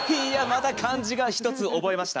また漢字が１つ覚えました。